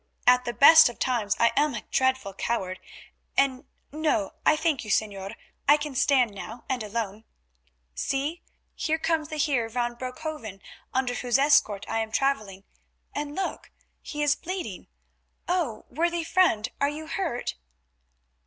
At the best of times I am a dreadful coward, and—no, I thank you, Señor, I can stand now and alone. See, here comes the Heer van Broekhoven under whose escort I am travelling, and look, he is bleeding. Oh! worthy friend, are you hurt?"